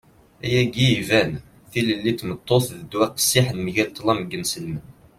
ayagi iban. tilelli n tmeṭṭut d ddwa qqessiḥen mgal ṭṭlam n yinselmen